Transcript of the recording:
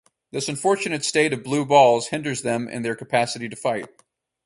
This unfortunate state of "blue balls" hinders them in their capacity to fight.